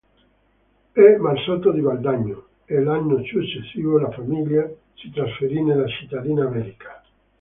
E. Marzotto di Valdagno, e l'anno successivo la famiglia si trasferì nella cittadina berica.